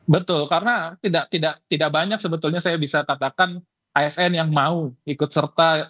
betul karena tidak banyak sebetulnya saya bisa katakan asn yang mau ikut serta